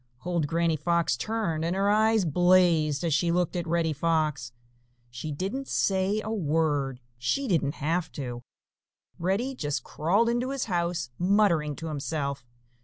Old Granny Fox turned, and her eyes blazed as she looked at Reddy Fox. She didn't say a word. She didn't have to. Reddy just crawled into his house, muttering to himself.